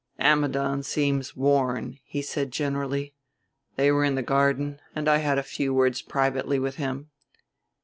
"Ammidon seems worn," he said generally; "they were in the garden, and I had a few words privately with him."